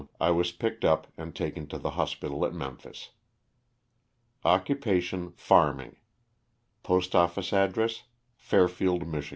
I was picked up and taken to the hospital at Memphis. Occupation, farming. Postoffice address, Fairfield, Mich.